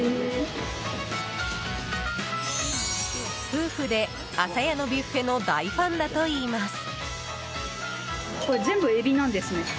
夫婦で、あさやのビュッフェの大ファンだといいます。